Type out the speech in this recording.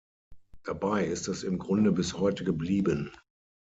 Dabei ist es im Grunde bis heute geblieben.